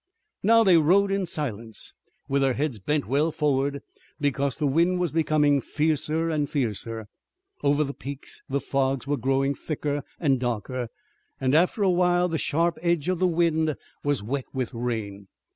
Now they rode in silence with their heads bent well forward, because the wind was becoming fiercer and fiercer. Over the peaks the fogs were growing thicker and darker and after a while the sharp edge of the wind was wet with rain.